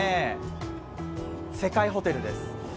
世界ホテルです。